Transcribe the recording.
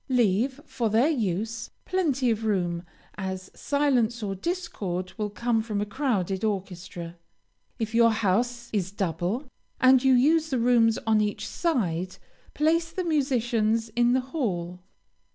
Leave, for their use, plenty of room, as silence or discord will come from a crowded orchestra. If your house is double, and you use the rooms on each side, place the musicians in the hall.